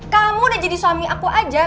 kamu udah jadi suami aku aja